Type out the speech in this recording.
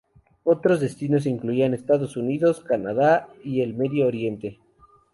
Otros destinos incluían Estados Unidos, Canadá y el Medio Oriente.